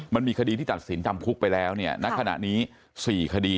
มันมีคดีที่ตัดสินจำคุกไปแล้วเนี่ยณขณะนี้๔คดี